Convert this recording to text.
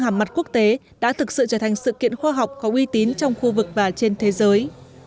hàm mặt quốc tế đã thực sự trở thành sự kiện khoa học có uy tín trong khu vực và trên thế giới